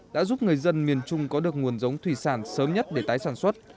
đã giúp người dân miền trung có được nguồn giống thủy sản sớm nhất để tái sản xuất